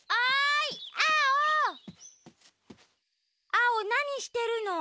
アオなにしてるの？